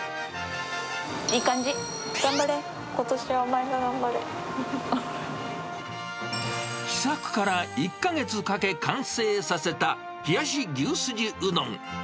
いい感じ、頑張れ、ことしは、試作から１か月かけ完成させた、冷し牛すじうどん。